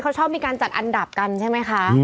เขาชอบมีการจัดอันดับกันใช่ไหมคะ